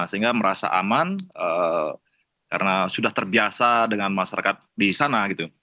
sehingga merasa aman karena sudah terbiasa dengan masyarakat di sana gitu